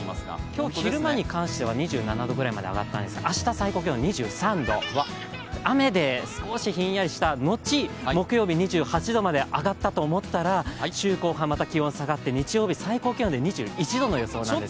今日昼間に関しては２７度ぐらいまで上がったんですが、明日最高気温２３度雨で少しひんやりした後、木曜日、２８度まで上がったと思ったら週後半また気温が下がって日曜日は最高気温で２１度なんですね。